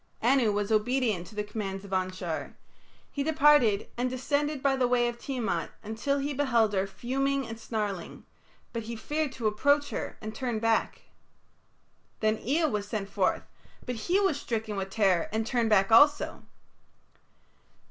Anu was obedient to the commands of Anshar. He departed, and descended by the path of Tiamat until he beheld her fuming and snarling, but he feared to approach her, and turned back. Then Ea was sent forth, but he was stricken with terror and turned back also.